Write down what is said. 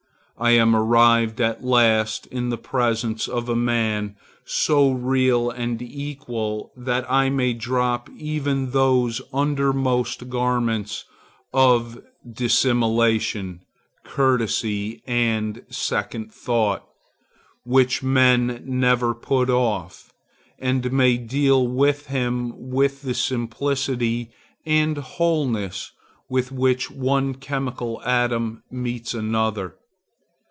I am arrived at last in the presence of a man so real and equal that I may drop even those undermost garments of dissimulation, courtesy, and second thought, which men never put off, and may deal with him with the simplicity and wholeness with which one chemical atom meets another.